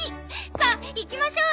さあ行きましょう！